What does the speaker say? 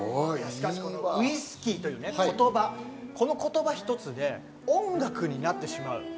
ウイスキーという言葉、この言葉一つ、音楽になってしまう。